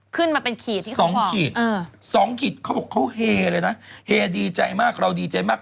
ขึ้นมาเป็นขีด๒ขีด๒ขีดเขาบอกเขาเฮเลยนะเฮดีใจมากเราดีใจมาก